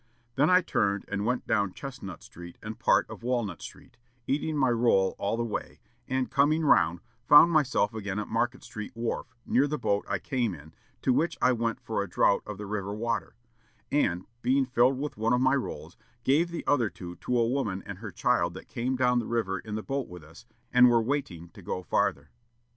Then I turned and went down Chestnut Street and part of Walnut Street, eating my roll all the way, and, coming round, found myself again at Market Street wharf, near the boat I came in, to which I went for a draught of the river water; and, being filled with one of my rolls, gave the other two to a woman and her child that came down the river in the boat with us, and were waiting to go farther."